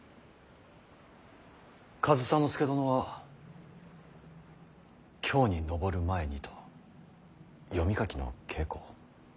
上総介殿は京に上る前にと読み書きの稽古を。